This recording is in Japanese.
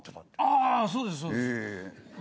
ああそうですそうです。